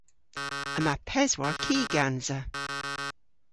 Yma peswar ki gansa.